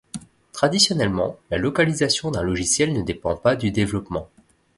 Traditionnellement, la localisation d’un logiciel ne dépend pas du développement.